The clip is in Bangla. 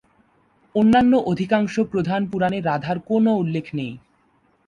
অন্যান্য অধিকাংশ প্রধান পুরাণে রাধার কোনো উল্লেখ নেই।